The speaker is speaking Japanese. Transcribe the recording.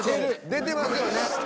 ［出てますよね］